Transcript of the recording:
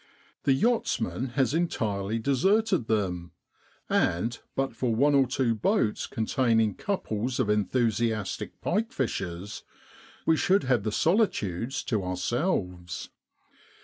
The yachtsman has entirely deserted them, and but for one or two boats containing couples of enthusiastic pike fishers, we should have the solitudes to ourselves.